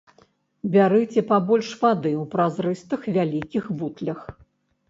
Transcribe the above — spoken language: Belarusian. Бярыце пабольш вады ў празрыстых вялікіх бутлях.